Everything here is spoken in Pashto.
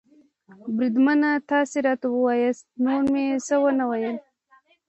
بریدمنه، تاسې راته ووایاست، نور مې څه و نه ویل.